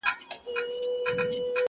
زما غمی یې دی له ځانه سره وړﺉ.